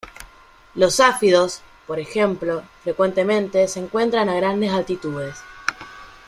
Los áfidos, por ejemplo, frecuentemente se encuentran a grandes altitudes.